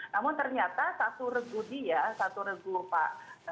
namun ternyata satu regu dia satu regu pak